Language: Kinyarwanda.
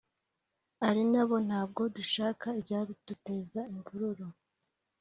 ari nabo ntabwo dushaka ibyaduteza imvururu